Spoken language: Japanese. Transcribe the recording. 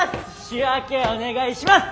仕分けお願いします！